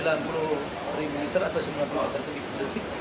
dari dua puluh m tiga per detik langsung meningkat ke sembilan puluh m tiga per detik